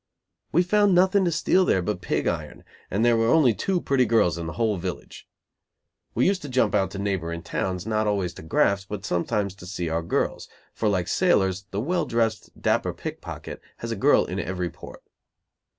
We found nothing to steal there but pig iron, and there were only two pretty girls in the whole village. We used to jump out to neighboring towns, not always to graft, but sometimes to see our girls, for like sailors, the well dressed, dapper pickpocket has a girl in every port.